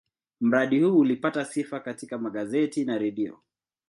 Mradi huu ulipata sifa katika magazeti na redio.